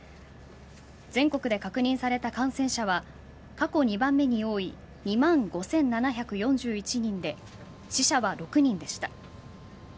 全国で確認された感染者は過去２番目に多い２万５７４１人で死者は６人でした。